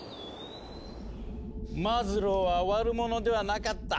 マズローは悪者ではなかった。